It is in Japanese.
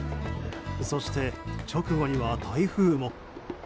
そして、直後には台風も。